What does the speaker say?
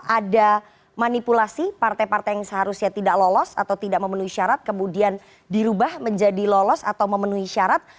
ada manipulasi partai partai yang seharusnya tidak lolos atau tidak memenuhi syarat kemudian dirubah menjadi lolos atau memenuhi syarat